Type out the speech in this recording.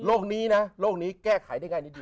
นี้นะโลกนี้แก้ไขได้ง่ายนิดเดียว